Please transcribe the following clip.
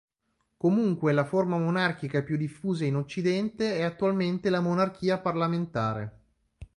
Comunque la forma monarchica più diffusa in Occidente è attualmente la monarchia parlamentare.